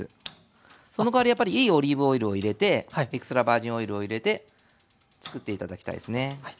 そのかわりやっぱりいいオリーブオイルを入れてエクストラバージンオイルを入れてつくって頂きたいですね。